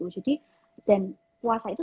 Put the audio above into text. jadi dan puasa itu